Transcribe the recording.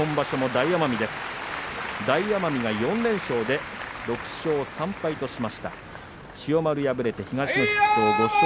大奄美は４連勝で６勝３敗としました。